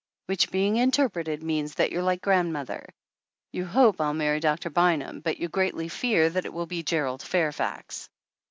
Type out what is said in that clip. "Which, being interpreted, means that you're like grandmother. You hope I'll marry Doctor Bynum, but you greatly fear that it will be Gerald Fairfax!"